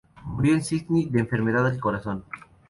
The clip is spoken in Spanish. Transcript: Murió en Sídney de enfermedad del corazón.